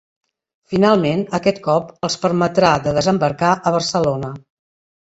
Finalment, aquest cop els permetrà de desembarcar a Barcelona.